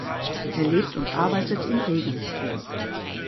Er lebt und arbeitet in Regensburg.